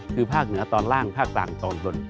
คือภาคเหนือตอนล่างภาคกลางตอนบน